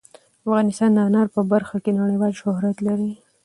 افغانستان د انار په برخه کې نړیوال شهرت لري.